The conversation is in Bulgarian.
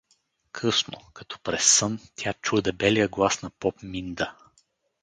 Късно, като през сън, тя чу дебелия глас на поп Минда.